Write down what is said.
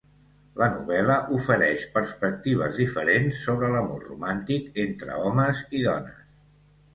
La novel·la ofereix perspectives diferents sobre l’amor romàntic entre homes i dones.